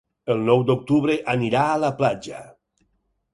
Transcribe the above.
El nou d'octubre anirà a la platja.